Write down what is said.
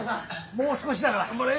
もう少しだから頑張れ。